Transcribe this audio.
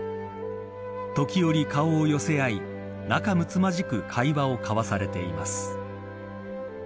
時折、顔を寄せ合い仲むつまじく会話を交わされています。